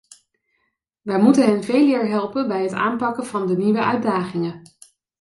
Wij moeten hen veeleer helpen bij het aanpakken van de nieuwe uitdagingen.